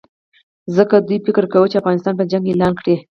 ځکه دوی فکر کاوه چې افغانستان به جنګ اعلان کړي.